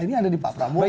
ini ada di pak pramowo